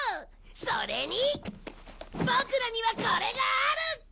それにボクらにはこれがある！